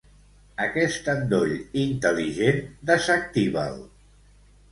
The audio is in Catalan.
Aquest endoll intel·ligent desactiva'l.